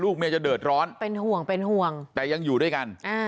เมียจะเดือดร้อนเป็นห่วงเป็นห่วงแต่ยังอยู่ด้วยกัน